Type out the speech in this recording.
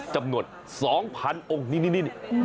จำนวนสองพันองค์นี่